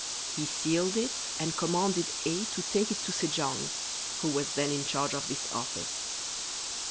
He sealed it and commanded A to take it to Se jong, who was then in charge of this office.